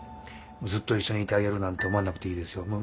ずっと一緒にいてあげるなんて思わなくていいですよ。